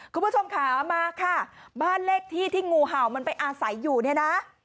คุณผู้ชมค่ะมาค่ะบ้านเลขที่ที่งูเห่ามันไปอาศัยอยู่เนี่ยนะ